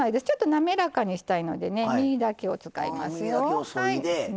なめらかにしたいので実だけを使います。